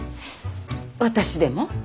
私でも？